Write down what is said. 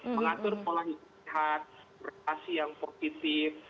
mengatur pola hidup sehat berhati hati yang positif